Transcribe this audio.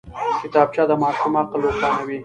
کتابچه د ماشوم عقل روښانوي